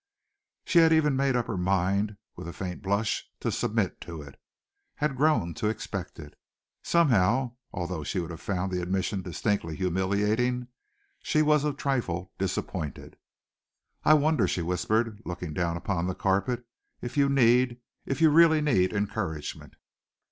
She had even made up her mind, with a faint blush, to submit to it, had grown to expect it. Somehow, although she would have found the admission distinctly humiliating, she was a trifle disappointed. "I wonder," she whispered, looking down upon the carpet, "if you need if you really need encouragement."